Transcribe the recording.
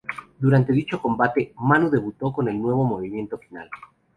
Durante dicho combate, Manu debutó con un nuevo movimiento final.